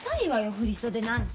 振り袖なんて。